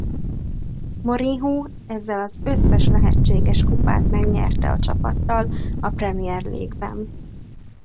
Mourinho ezzel az összes lehetséges kupát megnyerte a csapattal a Premier League-ben.